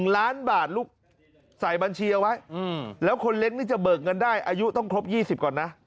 ๑ล้านบาทลูกใส่บัญชีเอาไว้แล้วคนเล็กนี่จะเบิกเงินได้อายุต้องครบ๒๐ก่อนนะ